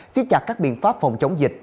xét chặt các biện pháp phòng chống dịch